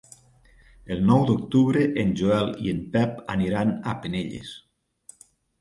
El nou d'octubre en Joel i en Pep aniran a Penelles.